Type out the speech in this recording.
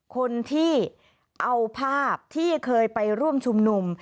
คนที่เอาภาพที่เคยไปร่วมชุมนุม